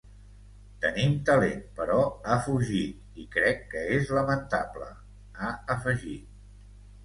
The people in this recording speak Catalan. Tenim talent, però ha fugit, i crec que és lamentable, ha afegit.